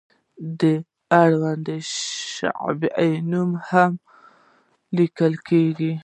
د اړونده شعبې نوم هم لیکل کیږي.